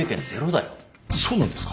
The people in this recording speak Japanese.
そうなんですか？